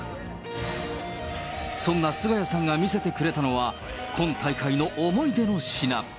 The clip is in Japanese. そんなすがやさんが見せてくれたのは、今大会の思い出の品。